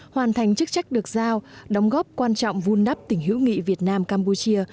hoàn thành chức trách được giao đóng góp quan trọng vun đắp tỉnh hữu nghị việt nam campuchia